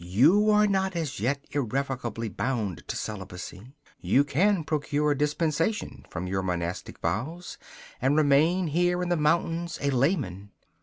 You are not as yet irrevocably bound to celibacy. You can procure a dispensation from your monastic vows and remain here in the mountains, a layman.